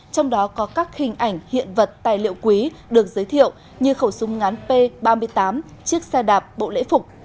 trong đó có các hình ảnh hiện vật tài liệu quý được giới thiệu như khẩu súng ngắn p ba mươi tám chiếc xe đạp bộ lễ phục